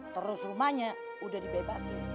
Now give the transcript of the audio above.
terus rumahnya udah dibebasin